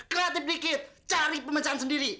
kreatif dikit cari pemecahan sendiri